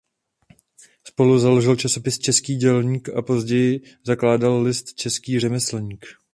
Spoluzaložil časopis "Český dělník" a později zakládal list "Český řemeslník".